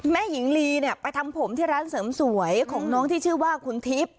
หญิงลีเนี่ยไปทำผมที่ร้านเสริมสวยของน้องที่ชื่อว่าคุณทิพย์